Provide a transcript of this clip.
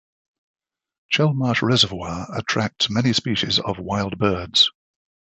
Chelmarsh Reservoir attracts many species of wild birds.